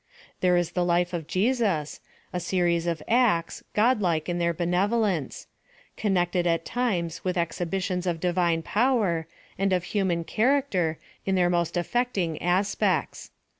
There is the life of Jesus, a series of acts, godlike in their benevolence ; con nected at times with exhibitions of divine power, and of human character, in their most affecting as pects.